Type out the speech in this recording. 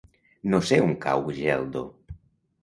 No sé on cau Geldo.